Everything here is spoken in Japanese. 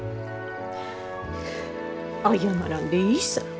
謝らんでいいさぁ。